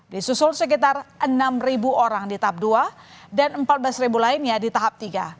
disusul sekitar enam orang di tahap dua dan empat belas lainnya di tahap tiga